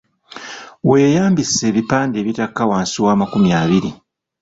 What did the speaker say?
Weeyambise ebipande ebitaka wansi wa makumi abiri.